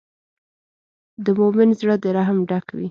د مؤمن زړۀ د رحم ډک وي.